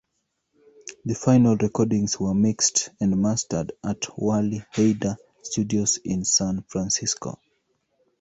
The final recordings were mixed and mastered at Wally Heider Studios in San Francisco.